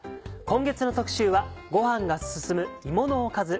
今月の特集はごはんがすすむ芋のおかず。